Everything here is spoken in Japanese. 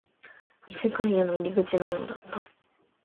異世界への入り口のようだった